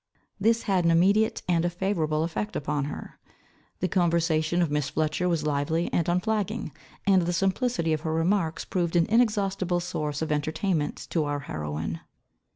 This had an immediate and a favourable effect upon her. The conversation of Miss Fletcher was lively and unflagging, and the simplicity of her remarks proved an inexhaustible source of entertainment to our heroine.